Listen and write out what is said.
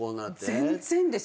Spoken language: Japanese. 全然です。